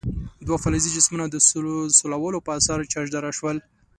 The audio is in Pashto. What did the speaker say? دوه فلزي جسمونه د سولولو په اثر چارجداره شول.